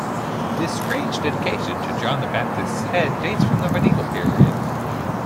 This strange dedication to John the Baptists head dates from the medieval period.